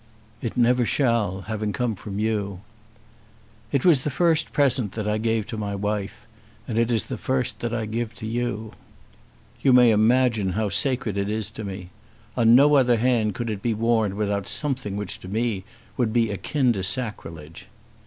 "It never shall, having come from you." "It was the first present that I gave to my wife, and it is the first that I give to you. You may imagine how sacred it is to me. On no other hand could it be worn without something which to me would be akin to sacrilege.